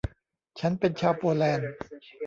ฉันเป็นชาวโปแลนด์